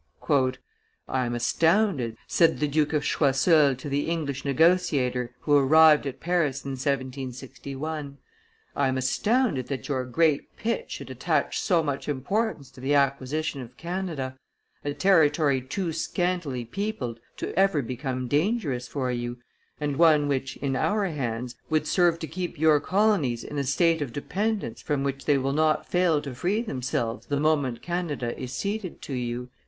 "I am astounded," said the Duke of Choiseul to the English negotiator who arrived at Paris in 1761, "I am astounded that your great Pitt should attach so much importance to the acquisition of Canada, a territory too scantily peopled to ever become dangerous for you, and one which, in our hands, would serve to keep your colonies in a state of dependence from which they will not fail to free themselves the moment Canada is ceded to you."